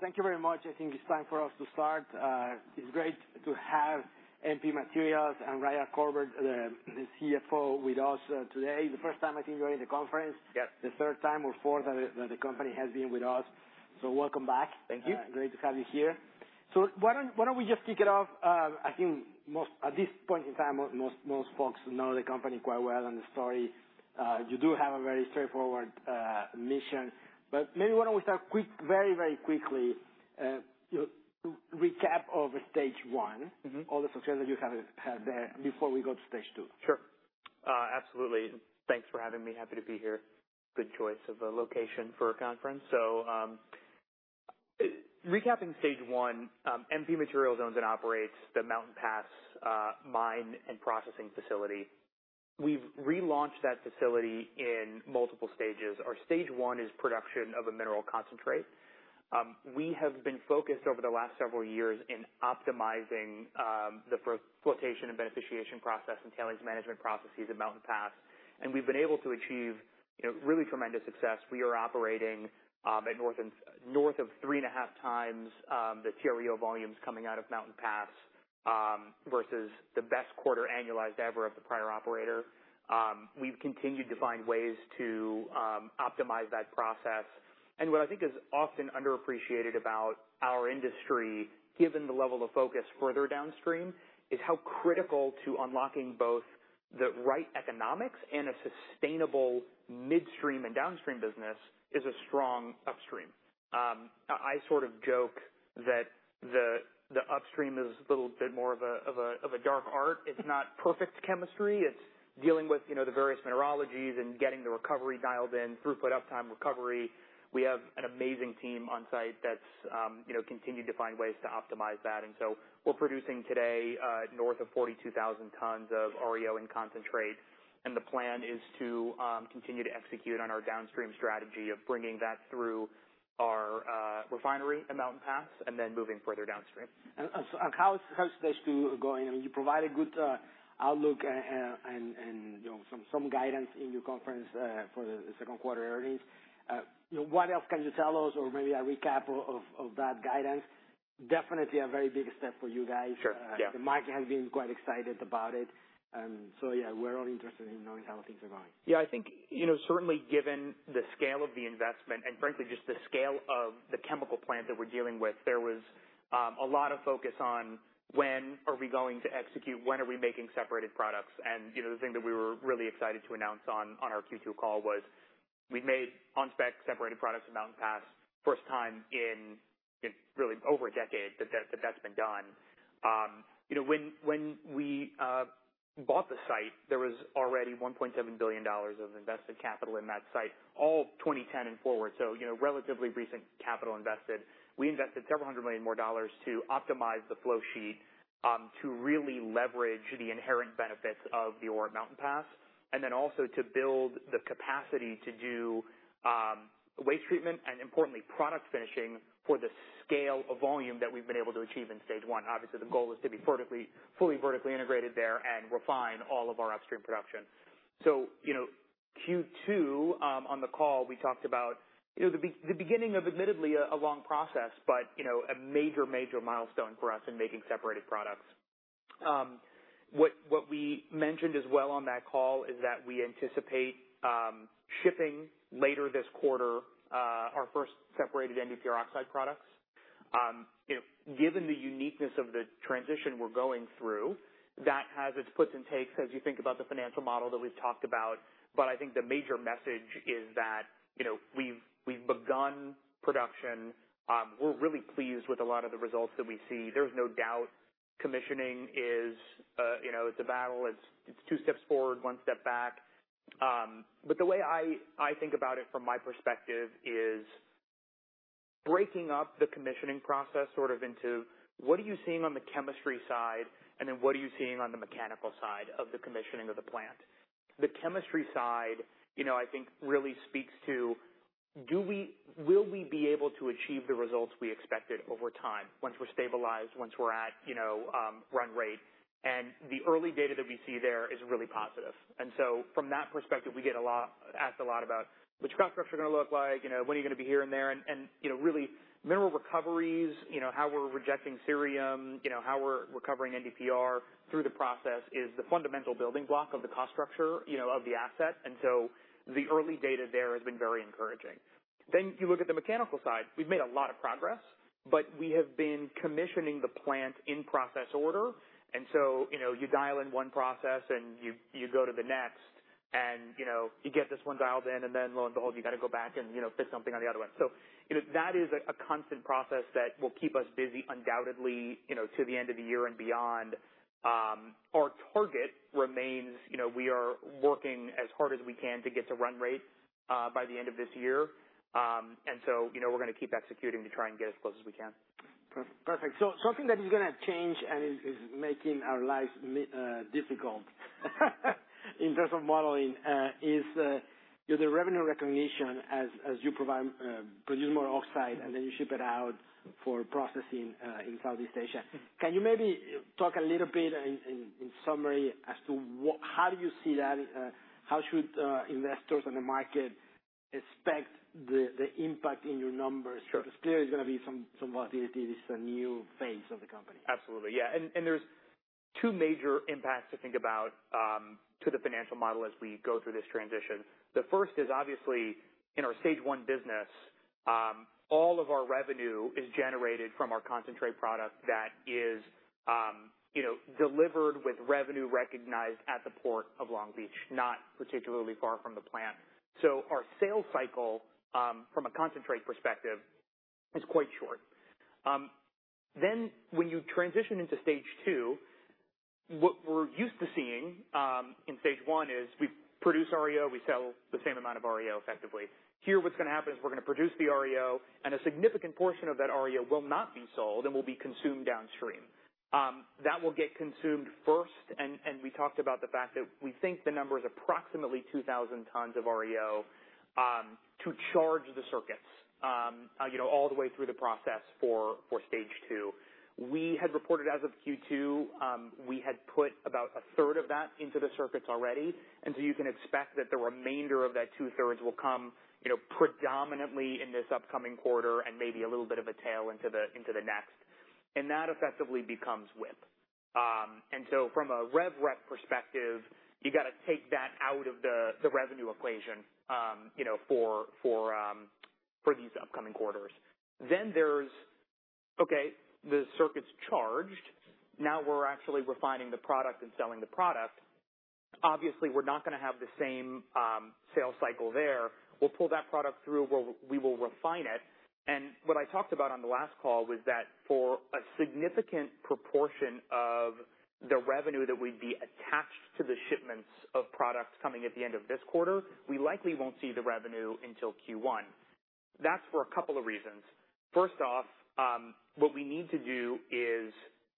Thank you very much. I think it's time for us to start. It's great to have MP Materials and Ryan Corbett, the CFO, with us, today. The first time, I think, you're in the conference. Yes. The third time or fourth that the company has been with us, so welcome back. Thank you. Great to have you here. So why don't we just kick it off? I think most, at this point in time, most folks know the company quite well and the story. You do have a very straightforward mission, but maybe why don't we start quickly, very quickly, you know, recap over stage one. Mm-hmm. All the success that you have had there before we go to stage two. Sure. Absolutely. Thanks for having me. Happy to be here. Good choice of a location for a conference. So, recapping stage one, MP Materials owns and operates the Mountain Pass mine and processing facility. We've relaunched that facility in multiple stages. Our stage one is production of a mineral concentrate. We have been focused over the last several years in optimizing the flotation and beneficiation process and tailings management processes at Mountain Pass, and we've been able to achieve, you know, really tremendous success. We are operating at north of 3.5 times the TREO volumes coming out of Mountain Pass versus the best quarter annualized ever of the prior operator. We've continued to find ways to optimize that process. What I think is often underappreciated about our industry, given the level of focus further downstream, is how critical to unlocking both the right economics and a sustainable midstream and downstream business is a strong upstream. I sort of joke that the upstream is a little bit more of a dark art. It's not perfect chemistry. It's dealing with, you know, the various mineralogies and getting the recovery dialed in, throughput, uptime, recovery. We have an amazing team on site that's, you know, continued to find ways to optimize that. And so we're producing today, north of 42,000 tons of REO in concentrate, and the plan is to continue to execute on our downstream strategy of bringing that through our refinery at Mountain Pass and then moving further downstream. So how is stage two going? I mean, you provide a good outlook, and you know, some guidance in your conference for the second quarter earnings. You know, what else can you tell us or maybe a recap of that guidance? Definitely a very big step for you guys. Sure, yeah. The market has been quite excited about it, and so, yeah, we're all interested in knowing how things are going. Yeah, I think, you know, certainly given the scale of the investment and frankly, just the scale of the chemical plant that we're dealing with, there was a lot of focus on when are we going to execute, when are we making separated products? And, you know, the thing that we were really excited to announce on our Q2 call was we've made on spec separated products in Mountain Pass, first time in really over a decade, that's been done. You know, when we bought the site, there was already $1.7 billion of invested capital in that site, all 2010 and forward. So, you know, relatively recent capital invested. We invested several hundred million more dollars to optimize the flow sheet, to really leverage the inherent benefits of the ore at Mountain Pass, and then also to build the capacity to do waste treatment and importantly, product finishing for the scale of volume that we've been able to achieve in stage one. Obviously, the goal is to be vertically, fully vertically integrated there and refine all of our upstream production. You know, Q2 on the call, we talked about, you know, the beginning of admittedly a long process, but you know, a major milestone for us in making separated products. What we mentioned as well on that call is that we anticipate shipping later this quarter our first separated NdPr oxide products. You know, given the uniqueness of the transition we're going through, that has its puts and takes as you think about the financial model that we've talked about. But I think the major message is that, you know, we've begun production. We're really pleased with a lot of the results that we see. There's no doubt commissioning is, you know, it's a battle. It's two steps forward, one step back. But the way I think about it from my perspective is breaking up the commissioning process, sort of into what are you seeing on the chemistry side, and then what are you seeing on the mechanical side of the commissioning of the plant? The chemistry side, you know, I think really speaks to, do we—will we be able to achieve the results we expected over time, once we're stabilized, once we're at, you know, run rate? And the early data that we see there is really positive. And so from that perspective, we get asked a lot about, what's the cost structure gonna look like, you know, when are you gonna be here and there? And, you know, really mineral recoveries, you know, how we're rejecting cerium, you know, how we're recovering NdPr through the process is the fundamental building block of the cost structure, you know, of the asset. And so the early data there has been very encouraging. Then you look at the mechanical side. We've made a lot of progress, but we have been commissioning the plant in process order. And so, you know, you dial in one process and you go to the next and, you know, you get this one dialed in, and then lo and behold, you got to go back and, you know, fix something on the other one. So you know, that is a constant process that will keep us busy undoubtedly, you know, to the end of the year and beyond. Our target remains, you know, we are working as hard as we can to get to run rate by the end of this year. And so, you know, we're gonna keep executing to try and get as close as we can. Perfect. So something that is gonna change and is making our lives difficult in terms of modeling is the revenue recognition as you produce more oxide and then you ship it out for processing in Southeast Asia. Can you maybe talk a little bit in summary as to what, how do you see that? How should investors in the market expect the impact in your numbers. Sure. There is going to be some volatility. This is a new phase of the company. Absolutely, yeah. And there's two major impacts to think about to the financial model as we go through this transition. The first is obviously in our stage one business, all of our revenue is generated from our concentrate product that is, you know, delivered with revenue recognized at the Port of Long Beach, not particularly far from the plant. So our sales cycle, from a concentrate perspective, is quite short. Then when you transition into stage two, what we're used to seeing in stage one is we produce REO, we sell the same amount of REO effectively. Here, what's going to happen is we're going to produce the REO, and a significant portion of that REO will not be sold and will be consumed downstream. That will get consumed first, and we talked about the fact that we think the number is approximately 2,000 tons of REO to charge the circuits, you know, all the way through the process for stage two. We had reported as of Q2, we had put about a third of that into the circuits already, and so you can expect that the remainder of that two-thirds will come, you know, predominantly in this upcoming quarter and maybe a little bit of a tail into the next. And that effectively becomes WIP. And so from a rev rec perspective, you got to take that out of the revenue equation, you know, for these upcoming quarters. Then there's, okay, the circuit's charged. Now we're actually refining the product and selling the product. Obviously, we're not going to have the same sales cycle there. We'll pull that product through, where we will refine it. And what I talked about on the last call was that for a significant proportion of the revenue that we'd be attached to the shipments of products coming at the end of this quarter, we likely won't see the revenue until Q1. That's for a couple of reasons. First off, what we need to do is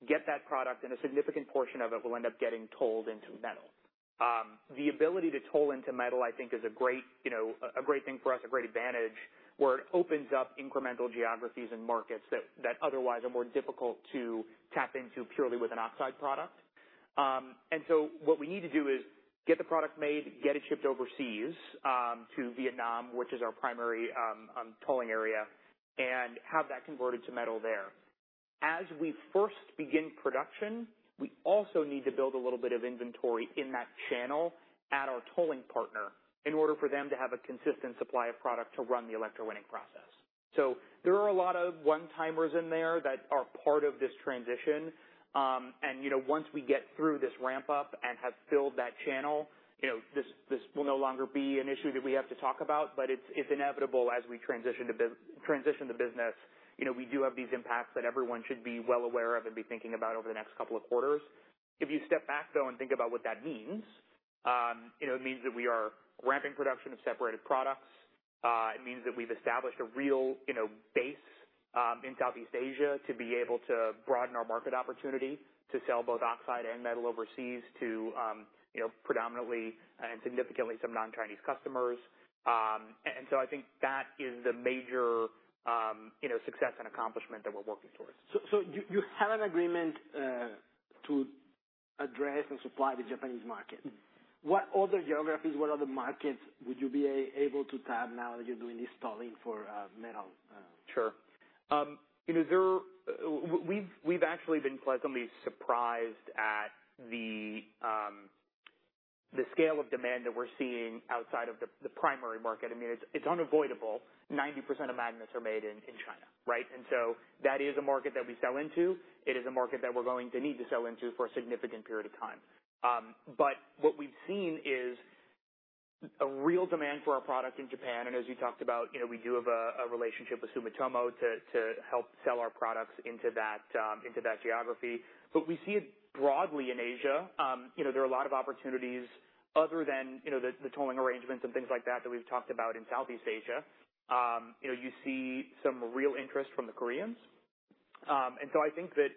get that product, and a significant portion of it will end up getting tolled into metal. The ability to toll into metal, I think, is a great, you know, a great thing for us, a great advantage, where it opens up incremental geographies and markets that otherwise are more difficult to tap into purely with an oxide product. And so what we need to do is get the product made, get it shipped overseas, to Vietnam, which is our primary tolling area, and have that converted to metal there. As we first begin production, we also need to build a little bit of inventory in that channel at our tolling partner in order for them to have a consistent supply of product to run the electrowinning process. So there are a lot of one-timers in there that are part of this transition. And, you know, once we get through this ramp-up and have filled that channel, you know, this, this will no longer be an issue that we have to talk about, but it's, it's inevitable as we transition the business. You know, we do have these impacts that everyone should be well aware of and be thinking about over the next couple of quarters. If you step back, though, and think about what that means, it means that we are ramping production of separated products. It means that we've established a real, you know, base in Southeast Asia to be able to broaden our market opportunity to sell both oxide and metal overseas to, you know, predominantly and significantly some non-Chinese customers. And so I think that is the major, you know, success and accomplishment that we're working towards. So you have an agreement to address and supply the Japanese market. Mm-hmm. What other geographies, what other markets would you be able to tap now that you're doing this tolling for metal? Sure. You know, we've actually been pleasantly surprised at the scale of demand that we're seeing outside of the primary market. I mean, it's unavoidable. 90% of magnets are made in China, right? And so that is a market that we sell into. It is a market that we're going to need to sell into for a significant period of time. But what we've seen is a real demand for our product in Japan, and as you talked about, you know, we do have a relationship with Sumitomo to help sell our products into that geography. But we see it broadly in Asia. You know, there are a lot of opportunities other than the tolling arrangements and things like that that we've talked about in Southeast Asia. You know, you see some real interest from the Koreans. And so I think that,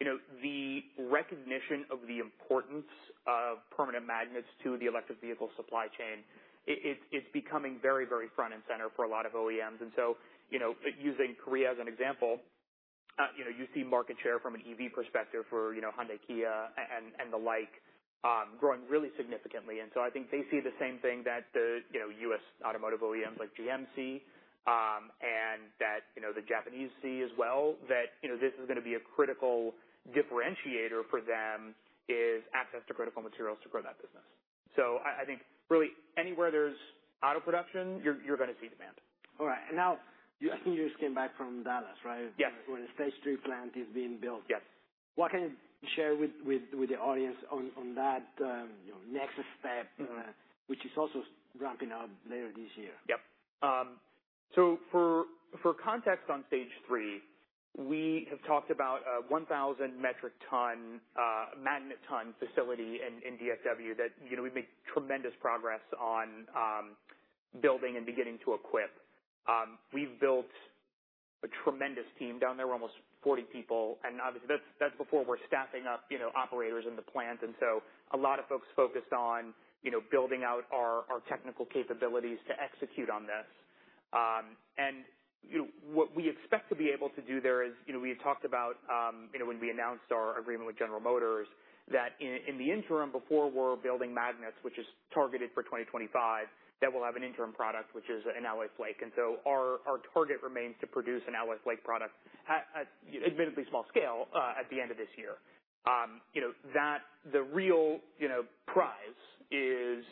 you know, the recognition of the importance of permanent magnets to the electric vehicle supply chain, it's becoming very, very front and center for a lot of OEMs. And so, you know, using Korea as an example, you know, you see market share from an EV perspective for, you know, Hyundai, Kia, and the like, growing really significantly. And so I think they see the same thing that the, you know, US automotive OEMs like GMC, and that, you know, the Japanese see as well, that, you know, this is going to be a critical differentiator for them, is access to critical materials to grow that business. So I think really anywhere there's auto production, you're going to see demand. All right. And now, you, I think you just came back from Dallas, right? Yes. Where the stage three plant is being built. Yes. What can you share with the audience on that next step, which is also ramping up later this year? Yep. So for context on stage three, we have talked about a 1,000 metric ton magnet ton facility in DFW that, you know, we've made tremendous progress on building and beginning to equip. We've built a tremendous team down there, almost 40 people, and obviously, that's before we're staffing up, you know, operators in the plant. So a lot of folks focused on, you know, building out our technical capabilities to execute on this. And what we expect to be able to do there is, you know, we've talked about when we announced our agreement with General Motors, that in the interim, before we're building magnets, which is targeted for 2025, that we'll have an interim product, which is an alloy flake. And so our target remains to produce an alloy flake product, at admittedly small scale, at the end of this year. You know, that the real, you know, prize is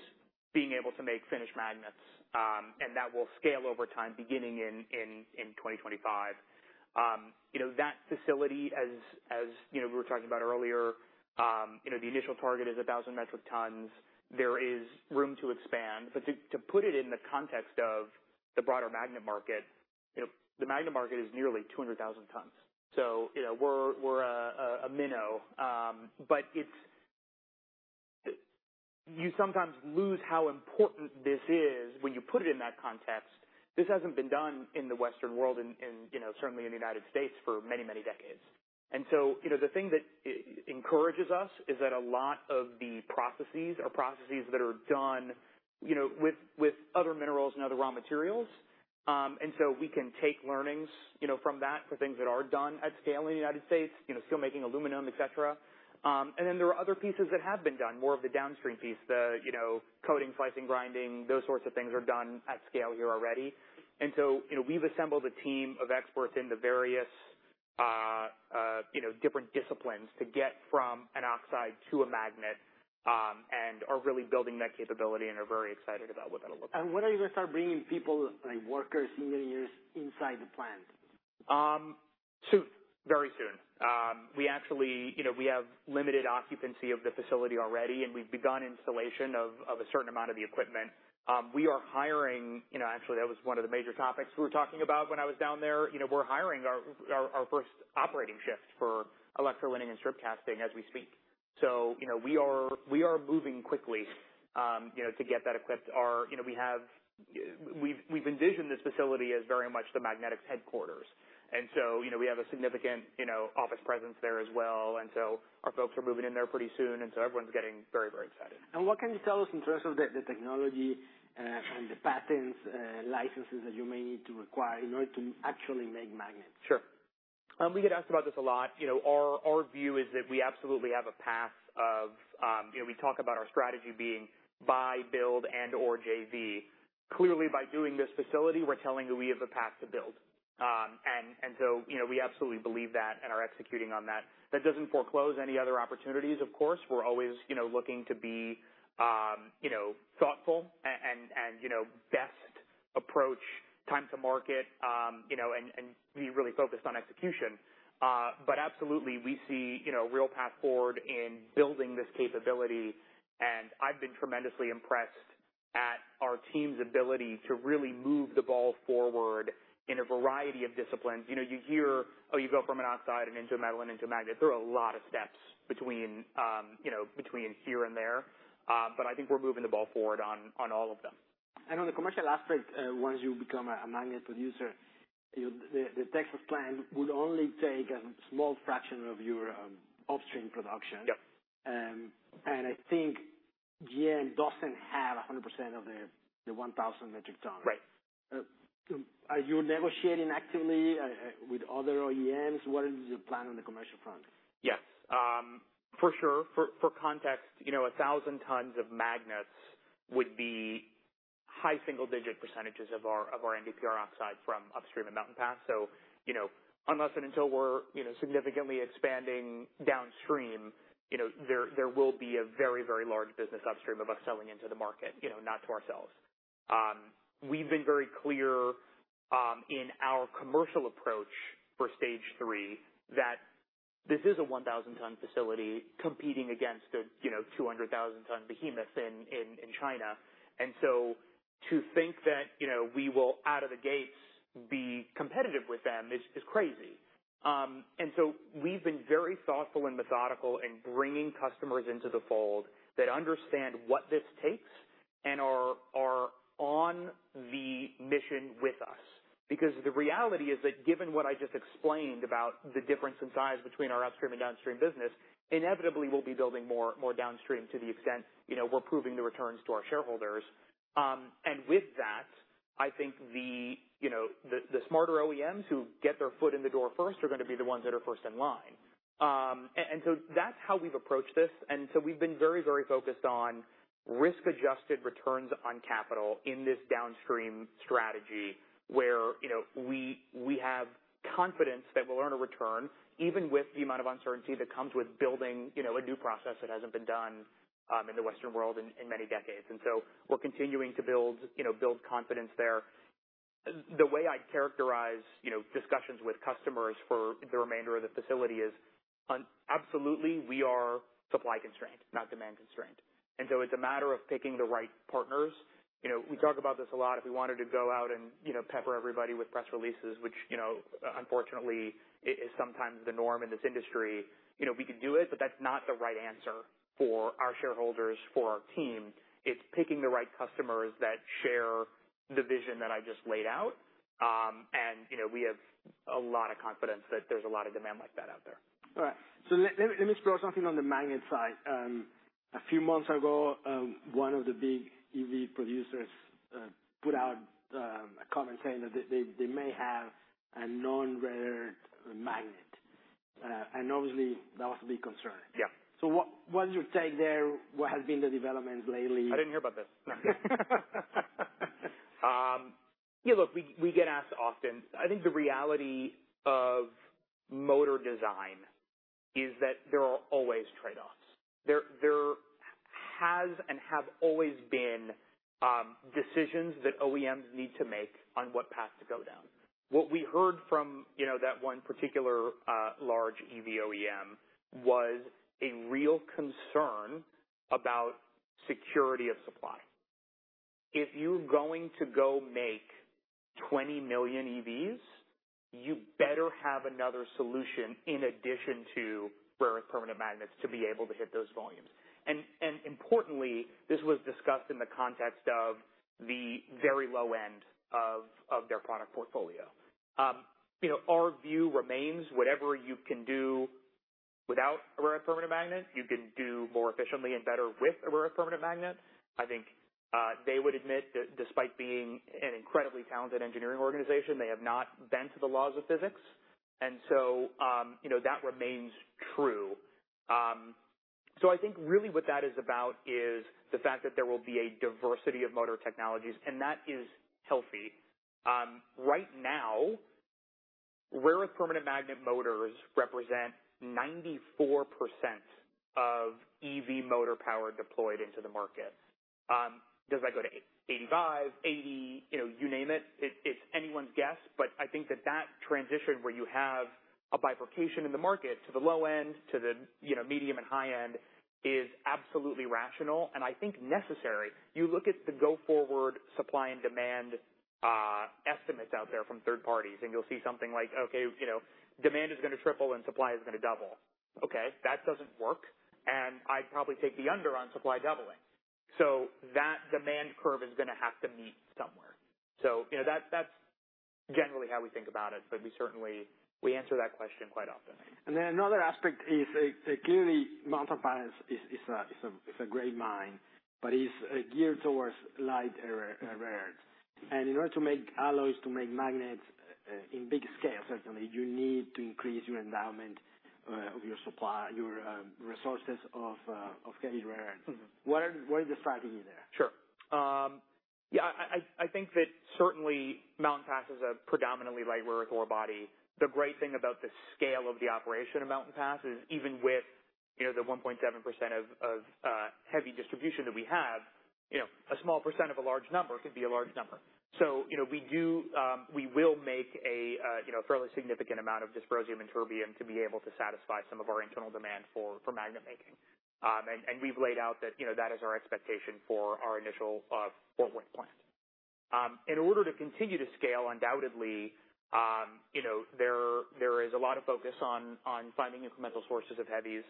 being able to make finished magnets, and that will scale over time, beginning in 2025. You know, that facility, as, as, you know, we were talking about earlier, you know, the initial target is 1,000 metric tons. There is room to expand. But to, to put it in the context of the broader magnet market, you know, the magnet market is nearly 200,000 tons. So, you know, we're a minnow, but it's. You sometimes lose how important this is when you put it in that context. This hasn't been done in the Western world, in you know, certainly in the United States, for many, many decades. And so, you know, the thing that encourages us is that a lot of the processes are processes that are done, you know, with other minerals and other raw materials. And so we can take learnings, you know, from that for things that are done at scale in the United States, you know, still making aluminum, et cetera. And then there are other pieces that have been done, more of the downstream piece, the you know, coding, slicing, grinding, those sorts of things are done at scale here already. And so, you know, we've assembled a team of experts in the various, you know, different disciplines to get from an oxide to a magnet, and are really building that capability and are very excited about what that'll look like. When are you going to start bringing people, like workers, engineers, inside the plant? Soon. Very soon. We actually, you know, we have limited occupancy of the facility already, and we've begun installation of a certain amount of the equipment. We are hiring. You know, actually, that was one of the major topics we were talking about when I was down there. You know, we're hiring our first operating shift for electrowinning and strip casting as we speak. So, you know, we are moving quickly, you know, to get that equipped. Our, you know, we have. We've envisioned this facility as very much the magnetics headquarters, and so, you know, we have a significant, you know, office presence there as well. And so our folks are moving in there pretty soon, and so everyone's getting very, very excited. What can you tell us in terms of the technology, and the patents, licenses that you may need to require in order to actually make magnets? Sure. We get asked about this a lot. You know, our view is that we absolutely have a path of... You know, we talk about our strategy being buy, build, and/or JV. Clearly, by doing this facility, we're telling you we have a path to build. And so, you know, we absolutely believe that and are executing on that. That doesn't foreclose any other opportunities, of course. We're always, you know, looking to be, you know, thoughtful and, you know, best approach, time to market, you know, and be really focused on execution. But absolutely, we see, you know, a real path forward in building this capability, and I've been tremendously impressed at our team's ability to really move the ball forward in a variety of disciplines. You know, you hear, "Oh, you go from an oxide and into metal and into magnet." There are a lot of steps between, you know, between here and there, but I think we're moving the ball forward on all of them. On the commercial aspect, once you become a magnet producer, you know, the Texas plant would only take a small fraction of your upstream production. Yep. I think GM doesn't have 100% of the 1,000 metric ton. Right. Are you negotiating actively with other OEMs? What is your plan on the commercial front? Yes, for sure. For context, you know, 1,000 tons of magnets would be high single-digit percentages of our NdPr oxide from upstream and Mountain Pass. So, you know, unless and until we're, you know, significantly expanding downstream, you know, there will be a very, very large business upstream of us selling into the market, you know, not to ourselves. We've been very clear in our commercial approach for stage three, that this is a 1,000-ton facility competing against a, you know, 200,000-ton behemoth in China. And so to think that, you know, we will, out of the gates, be competitive with them is crazy. And so we've been very thoughtful and methodical in bringing customers into the fold that understand what this takes and are on the mission with us. Because the reality is that given what I just explained about the difference in size between our upstream and downstream business, inevitably, we'll be building more downstream to the extent, you know, we're proving the returns to our shareholders. And with that, I think you know, the smarter OEMs who get their foot in the door first are going to be the ones that are first in line. And so that's how we've approached this. And so we've been very, very focused on risk-adjusted returns on capital in this downstream strategy, where, you know, we have confidence that we'll earn a return, even with the amount of uncertainty that comes with building, you know, a new process that hasn't been done in the Western world in many decades. And so we're continuing to build, you know, confidence there. The way I'd characterize, you know, discussions with customers for the remainder of the facility is absolutely, we are supply constrained, not demand constrained. So it's a matter of picking the right partners. You know, we talk about this a lot. If we wanted to go out and, you know, pepper everybody with press releases, which, you know, unfortunately, is sometimes the norm in this industry, you know, we can do it, but that's not the right answer for our shareholders, for our team. It's picking the right customers that share the vision that I just laid out... And, you know, we have a lot of confidence that there's a lot of demand like that out there. All right. So let me explore something on the magnet side. A few months ago, one of the big EV producers put out a comment saying that they may have a non-rare earth magnet. And obviously, that was a big concern. Yeah. So what, what's your take there? What has been the developments lately? I didn't hear about this. Yeah, look, we get asked often. I think the reality of motor design is that there are always trade-offs. There has and have always been decisions that OEMs need to make on what path to go down. What we heard from, you know, that one particular large EV OEM was a real concern about security of supply. If you're going to go make 20 million EVs, you better have another solution in addition to rare earth permanent magnets to be able to hit those volumes. And importantly, this was discussed in the context of the very low end of their product portfolio. You know, our view remains, whatever you can do without a rare earth permanent magnet, you can do more efficiently and better with a rare earth permanent magnet. I think they would admit that despite being an incredibly talented engineering organization, they have not bent the laws of physics, and so, you know, that remains true. So I think really what that is about is the fact that there will be a diversity of motor technologies, and that is healthy. Right now, rare earth permanent magnet motors represent 94% of EV motor power deployed into the market. Does that go to 85, 80, you know, you name it? It's anyone's guess, but I think that that transition where you have a bifurcation in the market to the low end, to the, you know, medium and high end, is absolutely rational, and I think necessary. You look at the go-forward supply and demand estimates out there from third parties, and you'll see something like, okay, you know, demand is going to triple and supply is going to double. Okay, that doesn't work, and I'd probably take the under on supply doubling. So, you know, that's generally how we think about it, but we certainly, we answer that question quite often. Then another aspect is, clearly, Mountain Pass is a great mine, but it's geared towards light rare earth. In order to make alloys, to make magnets in big scale, certainly, you need to increase your endowment of your supply, your resources of heavy rare earth. Mm-hmm. What is the strategy there? Sure. Yeah, I think that certainly Mountain Pass is a predominantly light rare earth ore body. The great thing about the scale of the operation of Mountain Pass is even with, you know, the 1.7% of heavy distribution that we have, you know, a small percent of a large number could be a large number. So, you know, we do, we will make a, you know, fairly significant amount of dysprosium and terbium to be able to satisfy some of our internal demand for, for magnet making. And we've laid out that, you know, that is our expectation for our initial, Fort Worth plant. In order to continue to scale, undoubtedly, you know, there, there is a lot of focus on, on finding incremental sources of heavies.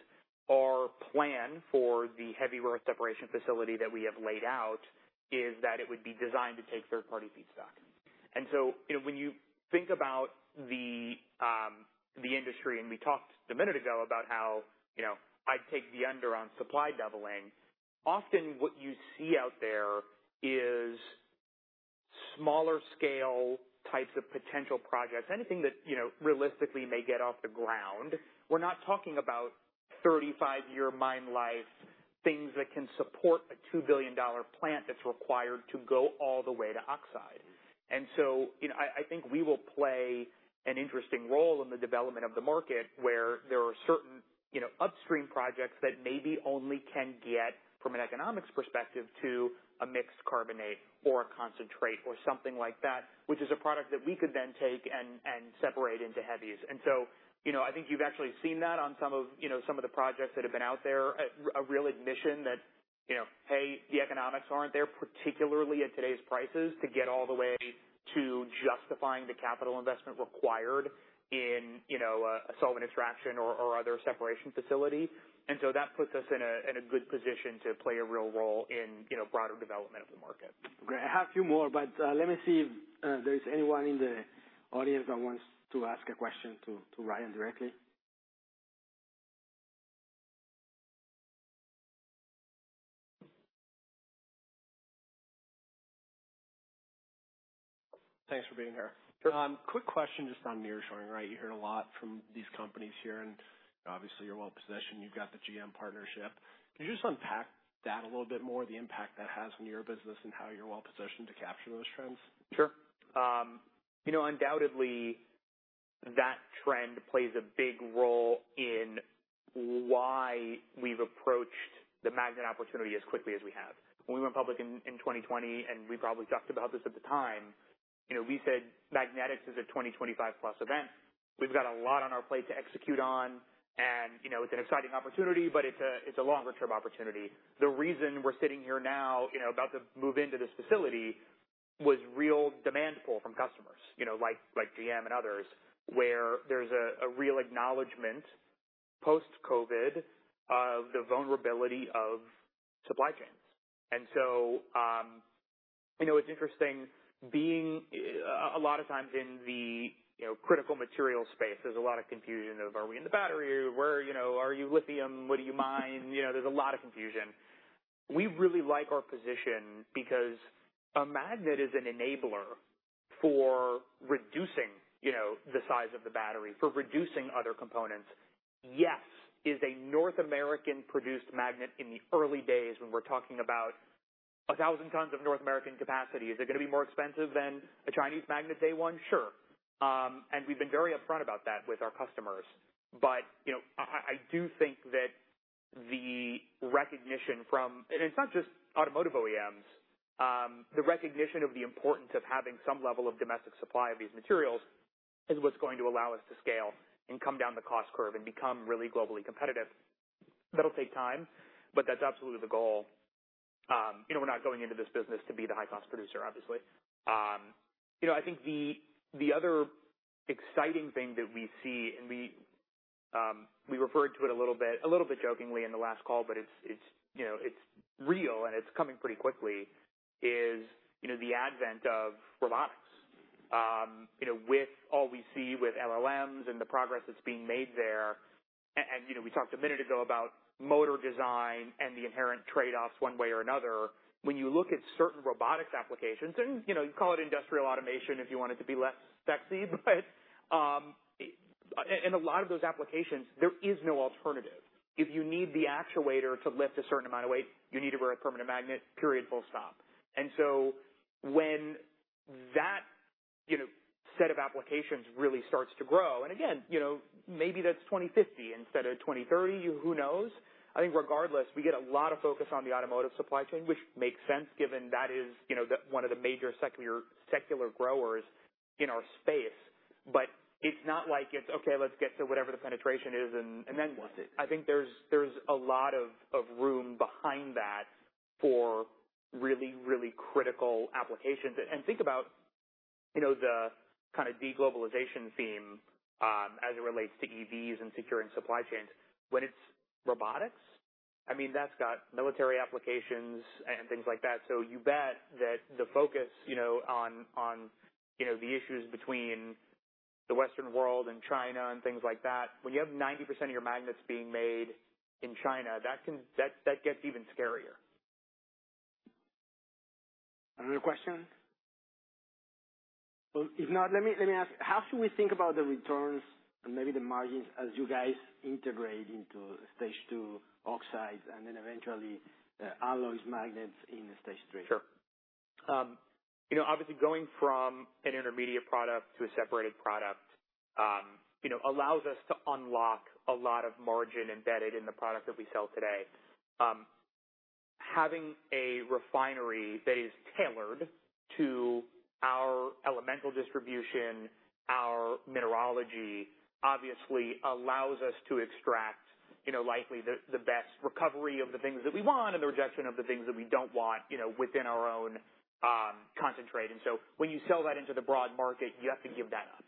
Our plan for the heavy rare earth separation facility that we have laid out is that it would be designed to take third-party feedstock. And so, you know, when you think about the, the industry, and we talked a minute ago about how, you know, I'd take the under on supply doubling, often what you see out there is smaller scale types of potential projects, anything that, you know, realistically may get off the ground. We're not talking about 35-year mine life, things that can support a $2 billion plant that's required to go all the way to oxide. So, you know, I think we will play an interesting role in the development of the market, where there are certain, you know, upstream projects that maybe only can get, from an economics perspective, to a mixed carbonate or a concentrate or something like that, which is a product that we could then take and separate into heavies. So, you know, I think you've actually seen that on some of, you know, some of the projects that have been out there, a real admission that, you know, hey, the economics aren't there, particularly at today's prices, to get all the way to justifying the capital investment required in, you know, a solvent extraction or other separation facility. So that puts us in a good position to play a real role in, you know, broader development of the market. Great. I have a few more, but, let me see if there is anyone in the audience that wants to ask a question to, to Ryan directly. Thanks for being here. Quick question, just on nearshoring, right? You heard a lot from these companies here, and obviously, you're well positioned. You've got the GM partnership. Can you just unpack that a little bit more, the impact that has on your business and how you're well positioned to capture those trends? Sure. You know, undoubtedly, that trend plays a big role in why we've approached the magnet opportunity as quickly as we have. When we went public in 2020, and we probably talked about this at the time, you know, we said magnetics is a 2025+ event. We've got a lot on our plate to execute on, and, you know, it's an exciting opportunity, but it's a longer-term opportunity. The reason we're sitting here now, you know, about to move into this facility, was real demand pull from customers, you know, like GM and others, where there's a real acknowledgment post-COVID, the vulnerability of supply chains. And so, you know, it's interesting being a lot of times in the, you know, critical material space, there's a lot of confusion of are we in the battery? Where, you know, are you lithium? What do you mine? You know, there's a lot of confusion. We really like our position because a magnet is an enabler for reducing, you know, the size of the battery, for reducing other components. Yes, is a North American produced magnet in the early days when we're talking about 1,000 tons of North American capacity, is it going to be more expensive than a Chinese magnet day one? Sure. And we've been very upfront about that with our customers. But, you know, I, I do think that the recognition from—and it's not just automotive OEMs, the recognition of the importance of having some level of domestic supply of these materials is what's going to allow us to scale and come down the cost curve and become really globally competitive. That'll take time, but that's absolutely the goal. You know, we're not going into this business to be the high cost producer, obviously. You know, I think the other exciting thing that we see, and we referred to it a little bit, a little bit jokingly in the last call, but it's you know, it's real and it's coming pretty quickly, is you know, the advent of robotics. You know, with all we see with LLMs and the progress that's being made there, and you know, we talked a minute ago about motor design and the inherent trade-offs one way or another. When you look at certain robotics applications, and you know, you call it industrial automation if you want it to be less sexy, but in a lot of those applications, there is no alternative. If you need the actuator to lift a certain amount of weight, you need a rare permanent magnet, period, full stop. And so when that, you know, set of applications really starts to grow, and again, you know, maybe that's 2050 instead of 2030, who knows? I think regardless, we get a lot of focus on the automotive supply chain, which makes sense given that is, you know, the, one of the major secular, secular growers in our space. But it's not like it's, okay, let's get to whatever the penetration is, and, and then what? I think there's, there's a lot of, of room behind that for really, really critical applications. And think about, you know, the kind of de-globalization theme, as it relates to EVs and securing supply chains. When it's robotics, I mean, that's got military applications and things like that. So you bet that the focus, you know, on, you know, the issues between the Western world and China and things like that, when you have 90% of your magnets being made in China, that can, that, that gets even scarier. Another question? Well, if not, let me, let me ask, how should we think about the returns and maybe the margins as you guys integrate into stage two oxides and then eventually, alloys magnets in stage three? Sure. You know, obviously, going from an intermediate product to a separated product, you know, allows us to unlock a lot of margin embedded in the product that we sell today. Having a refinery that is tailored to our elemental distribution, our mineralogy, obviously allows us to extract, you know, likely the best recovery of the things that we want and the rejection of the things that we don't want, you know, within our own concentrate. And so when you sell that into the broad market, you have to give that up.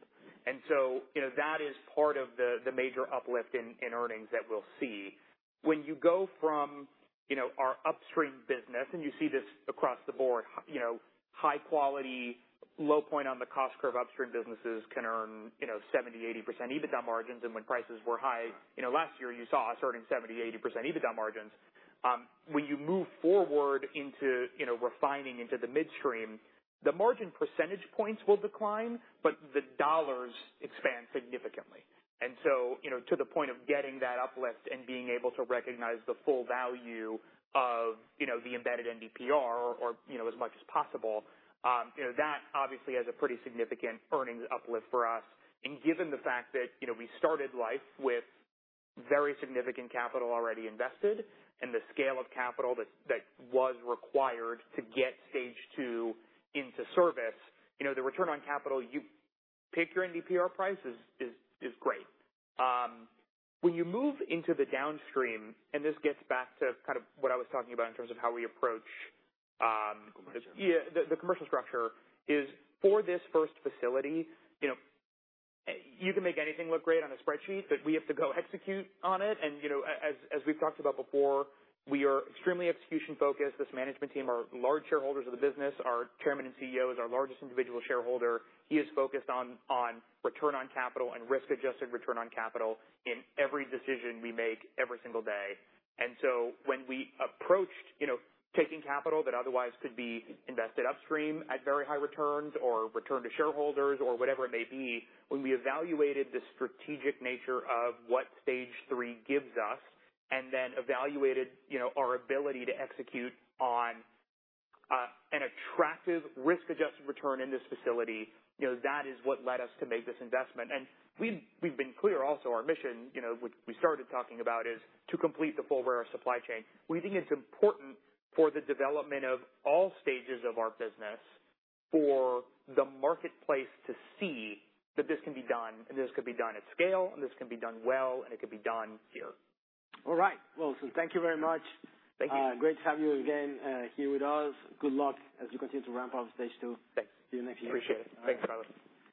And so, you know, that is part of the major uplift in earnings that we'll see. When you go from, you know, our upstream business, and you see this across the board, you know, high quality, low point on the cost curve upstream businesses can earn, you know, 70% EBITDA margins-80% EBITDA margins, and when prices were high, you know, last year, you saw us earning 70% EBITDA margins-80% EBITDA margins. When you move forward into, you know, refining into the midstream, the margin percentage points will decline, but the dollars expand significantly. And so, you know, to the point of getting that uplift and being able to recognize the full value of, you know, the embedded NdPr or, you know, as much as possible, that obviously has a pretty significant earnings uplift for us. Given the fact that, you know, we started life with very significant capital already invested and the scale of capital that was required to get stage two into service, you know, the return on capital, you pick your NdPr price, is great. When you move into the downstream, and this gets back to kind of what I was talking about in terms of how we approach, Commercial. Yeah, the commercial structure is for this first facility, you know, you can make anything look great on a spreadsheet, but we have to go execute on it. And, you know, as we've talked about before, we are extremely execution focused. This management team are large shareholders of the business. Our Chairman and CEO is our largest individual shareholder. He is focused on return on capital and risk-adjusted return on capital in every decision we make every single day. And so when we approached, you know, taking capital that otherwise could be invested upstream at very high returns or return to shareholders or whatever it may be, when we evaluated the strategic nature of what stage three gives us and then evaluated, you know, our ability to execute on an attractive risk-adjusted return in this facility, you know, that is what led us to make this investment. And we've been clear also. Our mission, you know, we started talking about is to complete the full rare earth supply chain. We think it's important for the development of all stages of our business for the marketplace to see that this can be done, and this could be done at scale, and this can be done well, and it could be done here. All right. Well, so thank you very much. Thank you. Great to have you again, here with us. Good luck as you continue to ramp up stage two. Thanks. See you next year. Appreciate it. Thanks, Carlos.